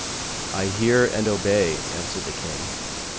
'I hear and obey,' answered the King.